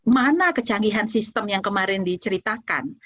mana kecanggihan sistem yang kemarin diceritakan